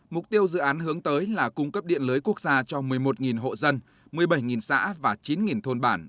mục tiêu dự án hướng tới là cung cấp điện lưới quốc gia cho một mươi một hộ dân một mươi bảy xã và chín thôn bản